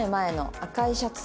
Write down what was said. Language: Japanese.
赤いシャツ？